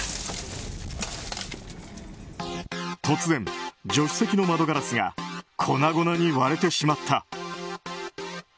突然、助手席の窓ガラスが粉々に割れてしまった。